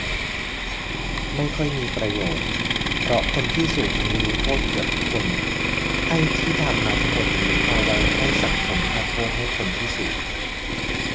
ไม่ค่อยมีประโยชน์ เพราะคนที่สูบนี่รู้โทษเกือบทุกคน ไอ้ที่ทำมาทั้งหมดนี่เอาไว้ให้สังคมคาดโทษให้คนที่สูบ